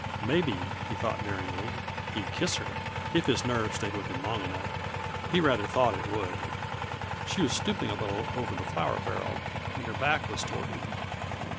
Maybe, he thought daringly, he'd kiss her if his nerve stayed with him long enough. He rather thought it would. She was stooping a little over the flour barrel, and her back was toward him.